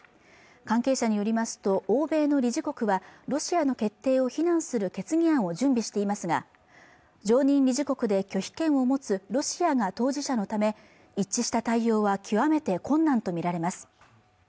関係者によりますと欧米の理事国はロシアの決定を非難する決議案を準備していますが常任理事国で拒否権を持つロシアが当事者のため一致した対応は極めて困難と見られます